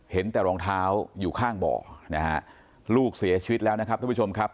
เห็นแต่รองเท้าอยู่ข้างบ่อนะฮะลูกเสียชีวิตแล้วนะครับท่านผู้ชมครับ